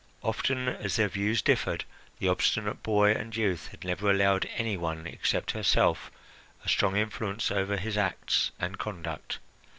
Often as their views differed, the obstinate boy and youth had never allowed any one except herself a strong influence over his acts and conduct.